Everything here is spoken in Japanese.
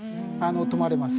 止まれます。